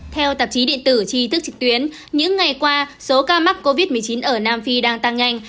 theo tạp chí điện tử tri thức trực tuyến những ngày qua số ca mắc covid một mươi chín ở nam phi đang tăng nhanh